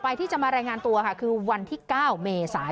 ปอล์กับโรเบิร์ตหน่อยไหมครับ